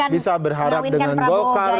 bisa berharap dengan bokar